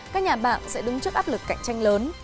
các nhà mạng sẽ đứng trước áp lực cạnh tranh lớn